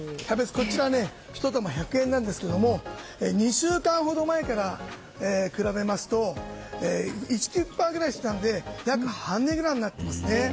１玉１００円なんですけど２週間ほど前から比べますと１９８円くらいしてたので約半値ぐらいになってますね。